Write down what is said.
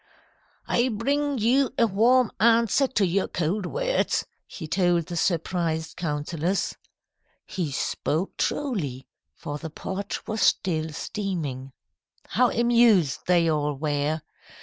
"'I bring you a warm answer to your cold words,' he told the surprised councillors. He spoke truly, for the pot was still steaming. How amused they all were!